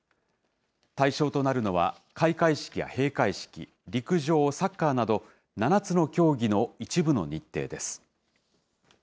対象となるのは開会式や閉会式、陸上、サッカーなど７つの競技の一部の日程です。